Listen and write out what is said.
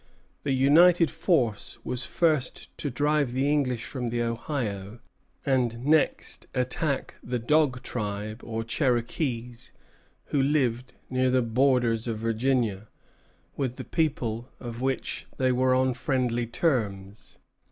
The united force was first to drive the English from the Ohio, and next attack the Dog Tribe, or Cherokees, who lived near the borders of Virginia, with the people of which they were on friendly terms.